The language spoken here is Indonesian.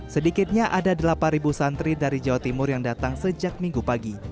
sedikitnya ada delapan santri dari jawa timur yang datang sejak minggu pagi